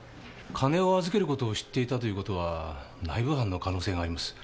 金を預ける事を知っていたという事は内部犯の可能性があります。